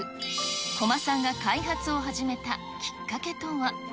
小間さんが開発を始めたきっかけとは。